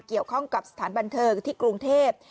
เกี่ยวข้องกับสถานบันเทิงที่กรุงเทพ